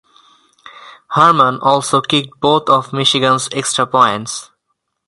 Harmon also kicked both of Michigan's extra points.